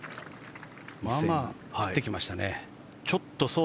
まあまあ降ってきましたね。